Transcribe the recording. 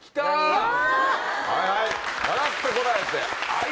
はい